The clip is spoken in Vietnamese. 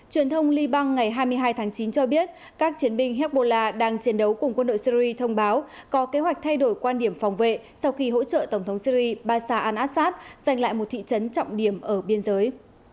truyền thông liban ngày hai mươi hai tháng chín cho biết các chiến binh hezbollah đang chiến đấu cùng quân đội syri thông báo có kế hoạch thay đổi quan điểm phòng vệ sau khi hỗ trợ tổng thống syri basa al assad giành lại một thị trấn trọng điểm ở biên giới